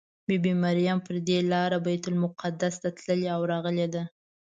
بي بي مریم پر دې لاره بیت المقدس ته تللې او راغلې ده.